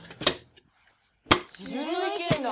自分の意見だ！